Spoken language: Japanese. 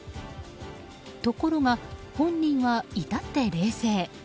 ところが、本人は至って冷静。